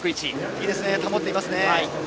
いいですね、保っています。